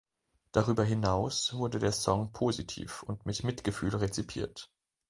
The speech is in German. Darüber hinaus wurde der Song positiv und mit Mitgefühl rezipiert.